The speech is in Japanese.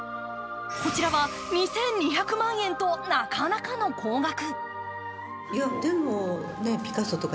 こちらは２２００万円となかなかの高額。